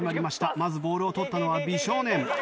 まずボールを取ったのは美少年。